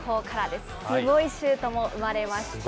すごいシュートも生まれました。